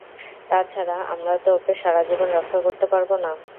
তা ছাড়া, আমরা তো ওকে সারাজীবন রক্ষা করতে পারব না।